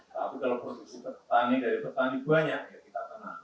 tapi kalau produksi petani dari petani banyak ya kita tenang